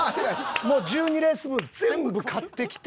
もう１２レース分全部買ってきて。